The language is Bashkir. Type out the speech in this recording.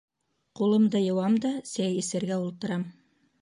Ҡулымды йыуам да сәй эсергә ултырам.